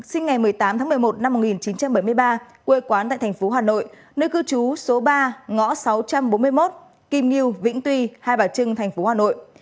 sinh ngày một mươi tám tháng một mươi một năm một nghìn chín trăm bảy mươi ba quê quán tại thành phố hà nội nơi cư trú số ba ngõ sáu trăm bốn mươi một kim liêu vĩnh tuy hai bà trưng tp hà nội